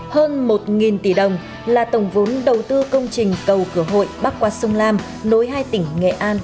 hơn một tỷ đồng là tổng vốn đầu tư công trình cầu cửa hội bắc qua sông lam nối hai tỉnh nghệ an